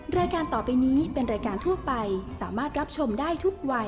รายการต่อไปนี้เป็นรายการทั่วไปสามารถรับชมได้ทุกวัย